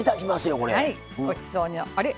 ごちそうのあれ？